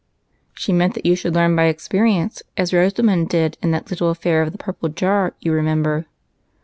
" She meant you should learn by experience, as Rosamond did in that little affair of the purple jar, you remember."